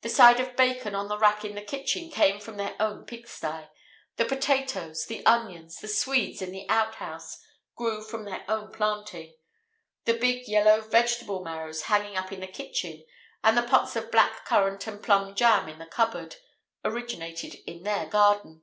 The side of bacon on the rack in the kitchen came from their own pigsty; the potatoes, the onions, the swedes in the outhouse grew from their own planting; the big yellow vegetable marrows hanging up in the kitchen, and the pots of black currant and plum jam in the cupboard, originated in their garden.